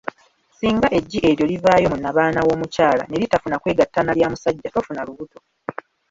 Singa eggi eryo livaayo mu nnabaana w'omukyala ne litafuna kwegatta nalya musajja, tofuna lubuto.